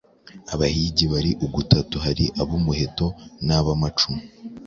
Abahigi bari ugutatu. Hari ab’umuheto n’amacumu ,